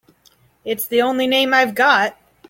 It's the only name I've got.